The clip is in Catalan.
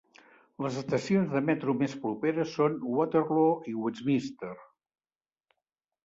Les estacions de metro més properes són Waterloo i Westminster.